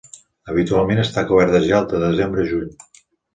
Habitualment està cobert de gel de desembre a juny.